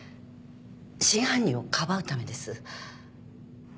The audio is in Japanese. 真犯人をかばうためです。